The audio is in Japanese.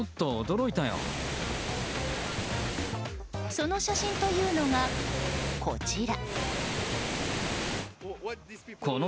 その写真というのが、こちら。